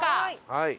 はい。